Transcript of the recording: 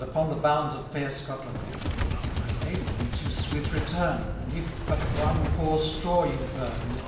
Upon the bounds of fair Scotland ? My Ladye reads you swith return ; And, if but one poor straw you burn.